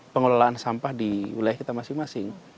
pengelolaan sampah di wilayah kita masing masing